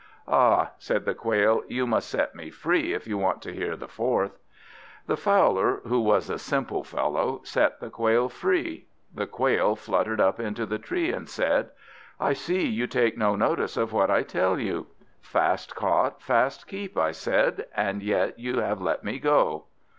"Ah," said the Quail, "you must set me free if you want to hear the fourth." The Fowler, who was a simple fellow, set the Quail free. The Quail fluttered up into a tree, and said "I see you take no notice of what I tell you. Fast caught, fast keep, I said; and yet you have let me go."